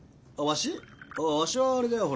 わしはあれだよ。